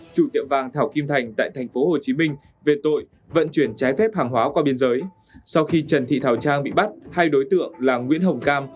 chủ tiệm vàng thảo kim thành tại thành phố hồ chí minh về tội vận chuyển trái phép hàng hóa qua biên giới sau khi trần thị thảo trang bị bắt hai đối tượng là nguyễn hồng cam